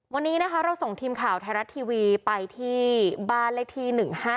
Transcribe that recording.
วันนี้นะคะเราส่งทีมข่าวไทยรัฐทีวีไปที่บ้านเลขที่๑๕๗